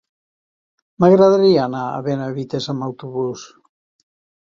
M'agradaria anar a Benavites amb autobús.